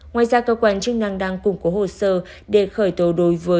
ngoài ra cơ quan chức năng đang củng cố hồ sơ để khởi tố đối với